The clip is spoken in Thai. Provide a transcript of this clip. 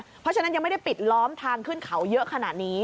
เพราะฉะนั้นยังไม่ได้ปิดล้อมทางขึ้นเขาเยอะขนาดนี้